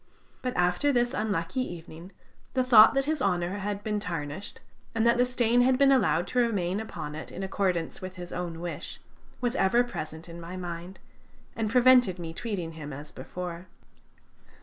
But after this unlucky evening, the thought that his honor had been tarnished, and that the stain had been allowed to remain upon it in accordance with his own wish, was ever present in my mind, and prevented me treating him as before.